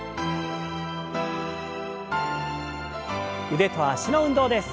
腕と脚の運動です。